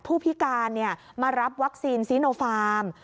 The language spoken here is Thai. ผู้พิการมารับวัคซีนซีโนฟาร์ม